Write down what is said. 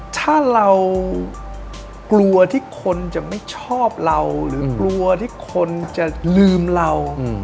ถ้าเรากลัวที่คนจะไม่ชอบเราหรือกลัวที่คนจะลืมเรา